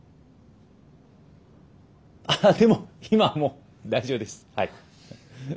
あでも今はもう大丈夫ですはい。